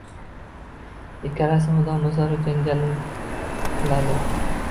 Ikkalasi mudom o‘zaro janjal qiladi.